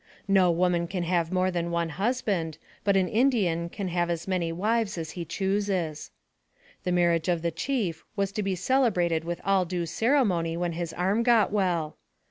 No woman can have more than one husband, but an Indian can have as many wives as he chooses. The marriage of the chief was to be celebrated with all due ceremony when his arm got well.